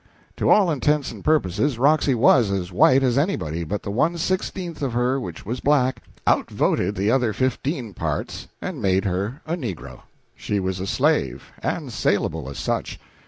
To all intents and purposes Roxy was as white as anybody, but the one sixteenth of her which was black outvoted the other fifteen parts and made her a negro. She was a slave, and salable as such.